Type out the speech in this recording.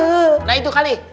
nah itu kali